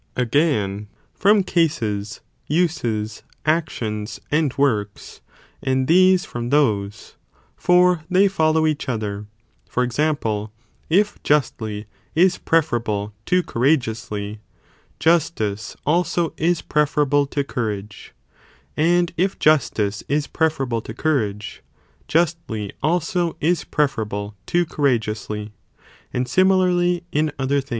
Again, from cases, uses, actions, and works; and these from those,! for they follow each other ; for example, if justly is preferable to courage | ously, justice also is preferable to courage, and if justice is preferable to courage, justly also is preferable to courageously, and similarly in other things.